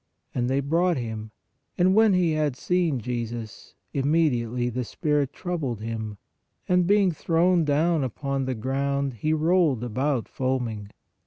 And they brought him. And when he had seen Jesus, immediately the spirit troubled him; and, being thrown down upon the ground, he rolled about foaming.